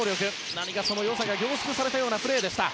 何かその良さが凝縮されたようなプレーでした。